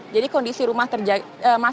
jadi kondisi rumah masih dijaga tetapi memang